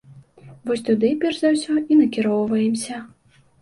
Вось туды перш за ўсё і накіроўваемся.